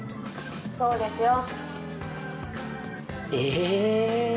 そうですよ。え！